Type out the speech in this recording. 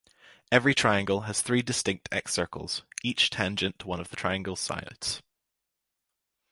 Every triangle has three distinct excircles, each tangent to one of the triangle's sides.